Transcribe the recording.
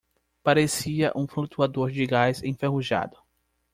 Parecia um flutuador de gás enferrujado.